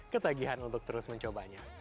ketagihan untuk terus mencobanya